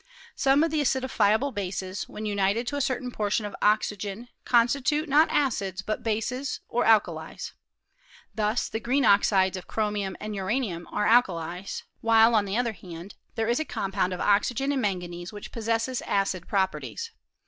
Some of the acidifiable bases, when united to a certain portion of oxygen, constitute, not acids, but bases or alkalies. Thus the green oxides of chrO' r a.\ or cHEiii»r»T. " are alkalies; wliile, on the other hand, there is a compouad ot' oxyg; ea and manga' which possesses acid properties.